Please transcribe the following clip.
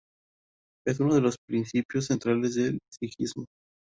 Es uno de los principios centrales del sijismo.